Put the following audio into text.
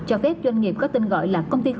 cho phép doanh nghiệp có tên gọi là công ty